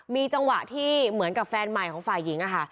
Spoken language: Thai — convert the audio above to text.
มีจังหวะที่เหมือนกับแฟนใหม่ของฝ่ายหญิงอะค่ะ